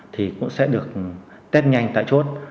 thì cũng sẽ được test nhanh tại chốt